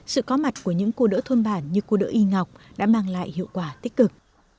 sự có mặt của những cô đỡ thôn bản như cô đỡ y ngọc đã mang lại hiệu quả tích cực